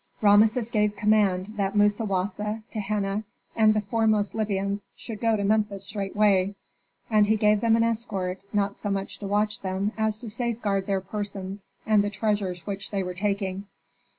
Rameses gave command that Musawasa, Tehenna, and the foremost Libyans should go to Memphis straightway, and he gave them an escort, not so much to watch them as to safeguard their persons and the treasures which they were taking.